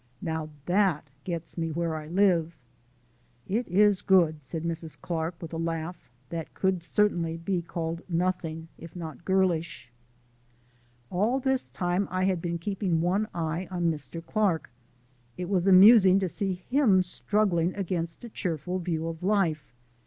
Now, that gets me where I live!" "It IS good!" said Mrs. Clark with a laugh that could certainly be called nothing if not girlish. All this time I had been keeping one eye on Mr. Clark. It was amusing to see him struggling against a cheerful view of life.